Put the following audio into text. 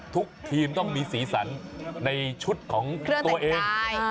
ทุกทีมต้องมีสีสันในชุดของตัวเอง